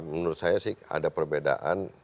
menurut saya sih ada perbedaan